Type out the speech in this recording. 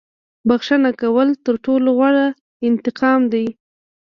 • بښنه کول تر ټولو غوره انتقام دی.